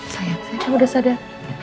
sayang saya udah sadar